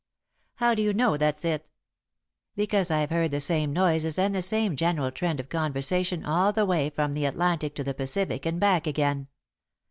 "How do you know that's it?" "Because I've heard the same noises and the same general trend of conversation all the way from the Atlantic to the Pacific and back again.